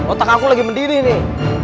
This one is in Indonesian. otak aku lagi mendidih nih